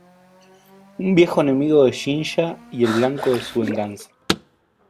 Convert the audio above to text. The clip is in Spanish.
Un viejo enemigo de Shinya y el blanco de su venganza.